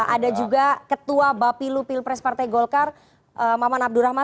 ada juga ketua bapilu pilpres partai golkar maman abdurrahman